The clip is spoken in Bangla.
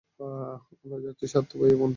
আমরা যাচ্ছি সাত্তু ভাইয়া, মন্দিরে।